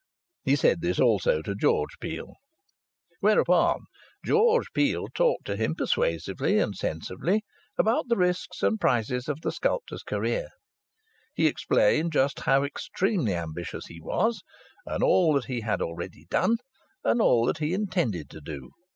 He said this also to George Peel. Whereupon George Peel talked to him persuasively and sensibly about the risks and the prizes of the sculptor's career. He explained just how extremely ambitious he was, and all that he had already done, and all that he intended to do.